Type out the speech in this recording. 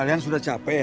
kalian sudah capek ya